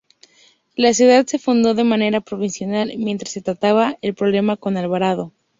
La ciudad se fundó de manera provisional mientras se trataba el problema con Alvarado.